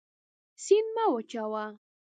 سیند مه وچوه.